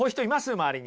周りに。